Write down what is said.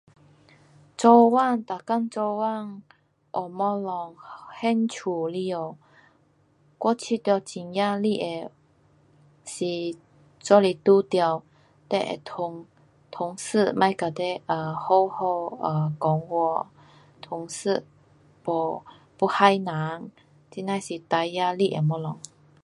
做工，每天做工，有东西，兴趣以外，我觉得很压力的是，就是遇到你的同，同事，不跟你好好讲话，同事不，要害人，这那是最压力的东西。